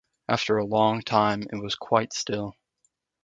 After a long time it was quite still.